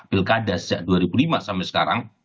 pilkada sejak dua ribu lima sampai sekarang